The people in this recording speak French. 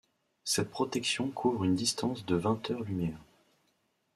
Cette protection couvre une distance de vingt heures-lumière.